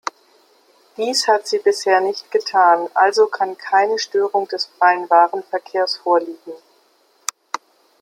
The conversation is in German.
Dies hat sie bisher nicht getan, also kann keine Störung des freien Warenverkehrs vorliegen.